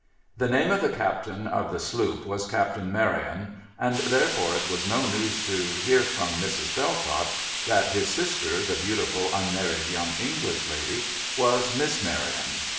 The name of the captain of the sloop was Captain Maryon, and therefore it was no news to hear from Mrs. Belltott, that his sister, the beautiful unmarried young English lady, was Miss Maryon.